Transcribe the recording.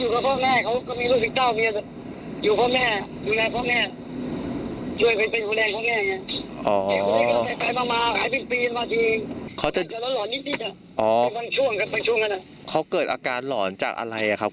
ก็กลัวไม่รู้นะเขากลัวผีอยู่พักหนึ่งอะครับ